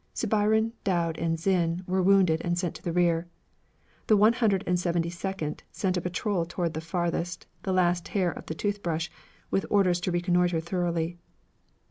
Subiron, Dowd, and Zinn were wounded and sent to the rear. The One Hundred and Seventy Second sent a patrol toward the farthest, the last hair of the tooth brush, with orders to reconnoitre thoroughly.